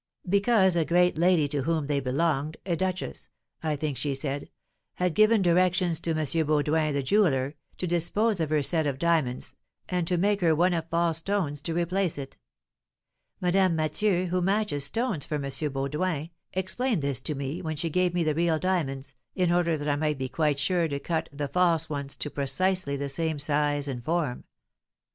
"Because a great lady to whom they belonged a duchess, I think she said had given directions to M. Baudoin, the jeweller, to dispose of her set of diamonds, and to make her one of false stones to replace it. Madame Mathieu, who matches stones for M. Baudoin, explained this to me, when she gave me the real diamonds, in order that I might be quite sure to cut the false ones to precisely the same size and form.